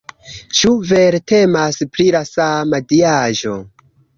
Ĉu vere temas pri la sama diaĵo?